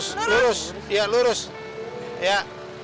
sampai jumpa di video selanjutnya